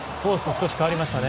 少し変わりましたね。